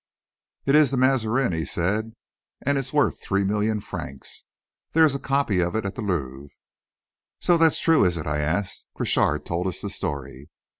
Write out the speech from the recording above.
"It is the Mazarin," he said, "and is worth three million francs. There is a copy of it at the Louvre." "So that's true, is it?" I asked. "Crochard told us the story."